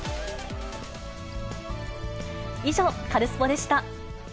以上、カルスポっ！でした。